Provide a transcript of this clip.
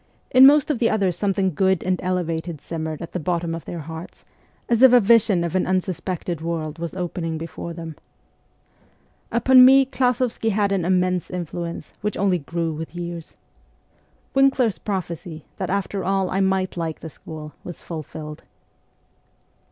In most of the THE CORPS OF PAGES 103 others something good and elevated simmered at the bottom of their hearts, as if a vision of an unsuspected world was opening before them. Upon me Klas6vsky had an immense influence, which only grew with years. Winkler's prophecy, that, after all, I might like the school, was fulfilled.